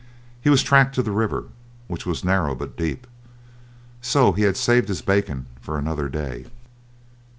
He was tracked to the river, which was narrow but deep, so he had saved his bacon for another day.